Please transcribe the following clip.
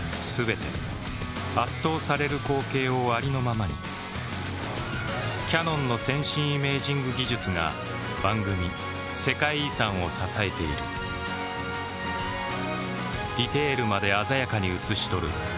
全て圧倒される光景をありのままにキヤノンの先進イメージング技術が番組「世界遺産」を支えているディテールまで鮮やかに映し撮る